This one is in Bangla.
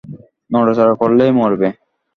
নড়াচড়া করলেই মরবে!